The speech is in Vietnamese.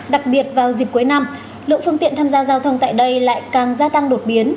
đặc biệt vào dịp cuối năm lượng phương tiện tham gia giao thông tại đây lại càng gia tăng đột biến